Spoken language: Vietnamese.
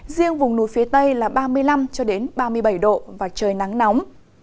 riêng vùng núi phía tây là ba mươi năm ba mươi bảy độ và trời nắng nóng